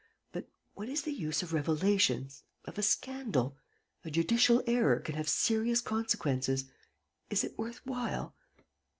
... But what is the use of revelations, of a scandal? A judicial error can have serious consequences. Is it worth while?